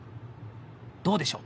どうでしょう？